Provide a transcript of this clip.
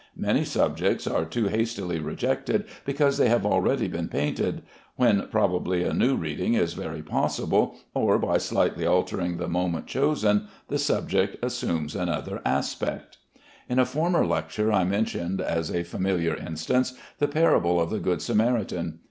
Many subjects are too hastily rejected because they have already been painted; when probably a new reading is very possible, or by slightly altering the moment chosen, the subject assumes another aspect. In a former lecture I mentioned, as a familiar instance, the parable of the good Samaritan.